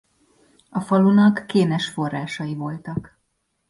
A falunak kénes forrásai voltak.